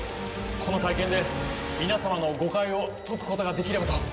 この会見で皆様の誤解を解くことができればと。